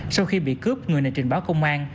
sau khi bị cướp người này trình báo công an